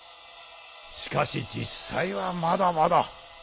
しかし実際はまだまだ。